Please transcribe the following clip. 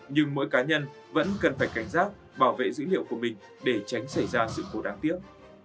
nhưng mỗi cá nhân vẫn cần phải cảnh giác bảo vệ dữ liệu của mình để tránh xảy ra sự cố đáng tiếc